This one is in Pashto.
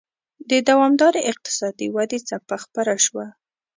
د دوامدارې اقتصادي ودې څپه خپره شوه.